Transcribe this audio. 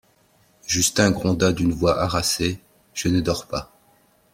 Justin gronda d'une voix harassée : Je ne dors pas.